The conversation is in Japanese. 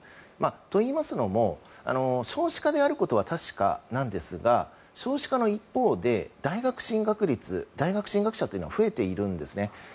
といいますのも少子化であることは確かなんですが少子化の一方で大学進学率大学進学者というのは増えているんですね。